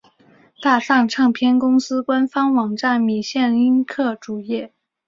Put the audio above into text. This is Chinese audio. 大藏唱片公司官方网站米线音客主页